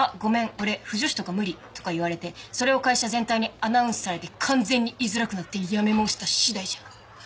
俺腐女子とか無理」とか言われてそれを会社全体にアナウンスされて完全に居づらくなって辞め申したしだいじゃ。